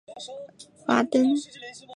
华登率余部击败宋军。